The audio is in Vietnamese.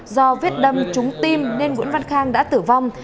do vết đâm trúng tim nên nguyễn văn khang đã tử vong